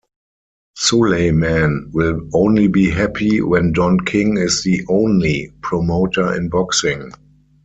Sulaiman will only be happy when Don King is the "only" promoter in boxing.